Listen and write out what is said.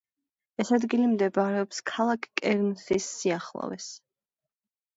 ეს ადგილი მდებარეობს ქალაქ კერნსის სიახლოვეს.